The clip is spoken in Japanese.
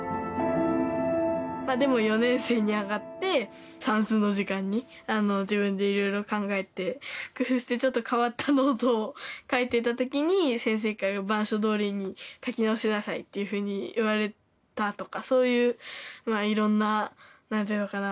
でも４年生に上がって算数の時間に自分でいろいろ考えて工夫してちょっと変わったノートを書いてた時に先生からっていうふうに言われたとかそういうまあいろんな何ていうのかな